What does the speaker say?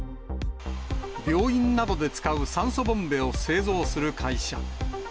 病院などで使う酸素ボンベを製造する会社。